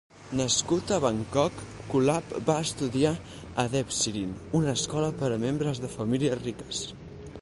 Nascut a Bangkok, Kulap va estudiar a Debsirin, una escola per a membres de famílies riques.